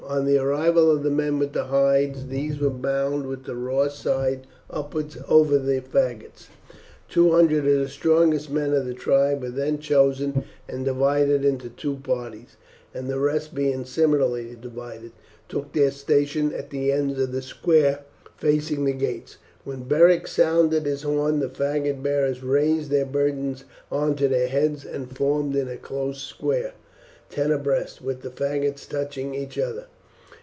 On the arrival of the men with the hides, these were bound with the raw side upwards over the faggots. Two hundred of the strongest men of the tribe were then chosen and divided into two parties, and the rest being similarly divided, took their station at the ends of the square facing the gates. When Beric sounded his horn the faggot bearers raised their burdens on to their heads and formed in a close square, ten abreast, with the faggots touching each other.